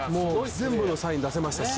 全部のサイン出せましたし。